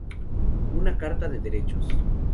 Una carta de derechos".